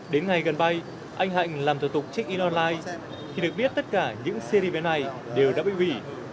đến ngày gần bay anh hạnh làm thủ tục check in online khi được biết tất cả những cd về này đều đã bị quỷ